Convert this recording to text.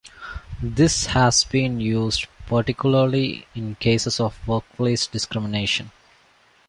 This has been used particularly in cases of workplace discrimination.